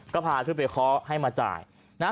ก็พาขึ้นไปเคาะให้มาจ่ายนะ